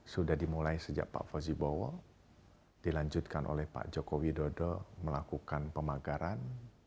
sudah dimulai sejak pak fawzi bowo dilanjutkan oleh pak jokowi dodo melakukan pemagaran